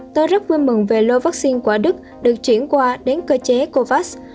tôi rất vui mừng về lô vaccine của đức được chuyển qua đến cơ chế covax